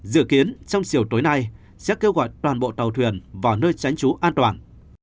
dự kiến trong chiều tối nay sẽ kêu gọi toàn bộ tàu thuyền vào nơi tránh trú an toàn